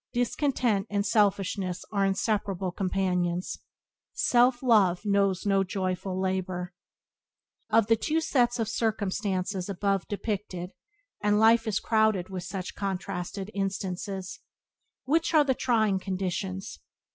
Discontent and Selfishness are inseparable companions. Self love knows no joyful labour. Of the two sets of circumstances above depicted (and life is crowded with such contrasted instances) which are the "trying" conditions?